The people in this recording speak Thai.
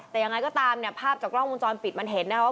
แต่ยังไงก็ตามเนี่ยภาพจากกล้องวงจรปิดมันเห็นนะครับว่า